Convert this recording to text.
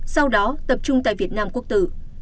sau đó tập trung tại việt nam quốc tử